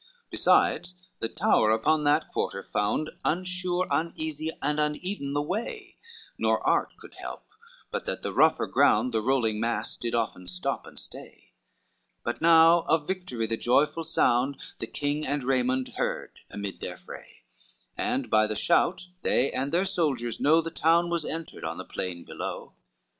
CIII Besides, the tower upon that quarter found Unsure, uneasy, and uneven the way, Nor art could help, but that the rougher ground The rolling mass did often stop and stay; But now of victory the joyful sound The king and Raymond heard amid their fray; And by the shout they and their soldiers know, The town was entered on the plain below.